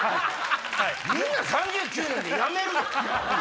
みんな３９年でやめるで。